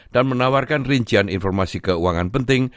dan menawarkan rincian informasi keuangan penting